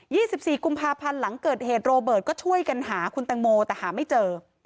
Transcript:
ี่สิบสี่กุมภาพันธ์หลังเกิดเหตุโรเบิร์ตก็ช่วยกันหาคุณแตงโมแต่หาไม่เจอ